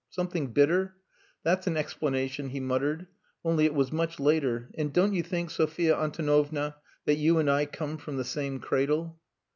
"H'm! Something bitter? That's an explanation," he muttered. "Only it was much later. And don't you think, Sophia Antonovna, that you and I come from the same cradle?"